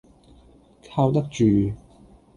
靠得住